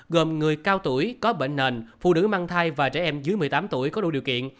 gồm người cao tuổi có bệnh nền phụ nữ mang thai và trẻ em dưới một mươi tám tuổi có đủ điều kiện